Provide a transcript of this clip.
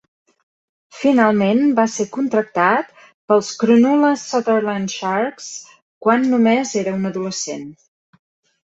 Finalment va ser contractat pels Cronulla-Sutherland Sharks quan només era un adolescent.